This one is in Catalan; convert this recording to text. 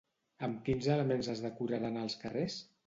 Amb quins elements es decoraran els carrers?